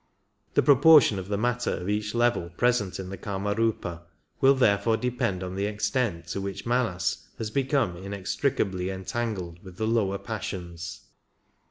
The proportion of the matter of each level present in the Kamarfipa will therefore depend on the extent to which Manas has become inextricably entangled with the lower passions.